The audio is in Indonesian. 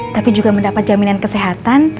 tapi juga mendapat jaminan kesehatan